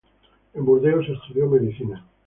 En Burdeos estudió medicina.